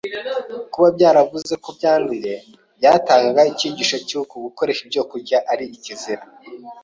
kuba byaravuzwe ko byanduye byatangaga icyigisho cy’uko gukoresha ibyo byokurya ari ikizira